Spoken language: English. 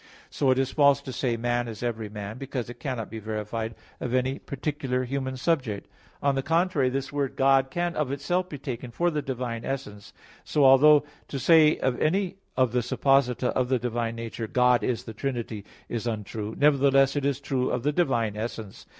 So it is false to say, "Man is every man"; because it cannot be verified of any particular human subject. On the contrary, this word "God" can of itself be taken for the divine essence. So, although to say of any of the supposita of the divine nature, "God is the Trinity," is untrue, nevertheless it is true of the divine essence.